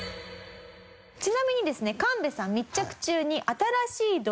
ちなみにですね神戸さん密着中に。